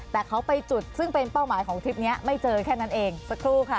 แต่เขาไปจุดซึ่งเป็นเป้าหมายของทริปนี้ไม่เจอแค่นั้นเองสักครู่ค่ะ